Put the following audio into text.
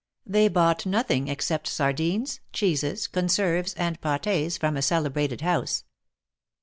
They bought nothing, except sardines, cheeses, conserves and pat^s, from a celebrated house.